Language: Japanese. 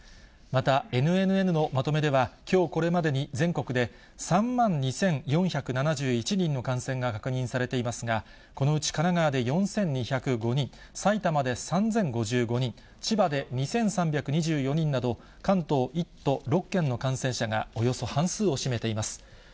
また、ＮＮＮのまとめでは、きょうこれまでに全国で３万２４７１人の感染が確認されていますが、このうち神奈川で４２０５人、埼玉で３０５５人、千葉で２３２４人など、関東１都６県の感染者が、およそ半数を占めています。